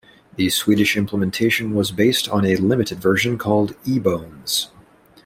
The Swedish implementation was based on a limited version called eBones.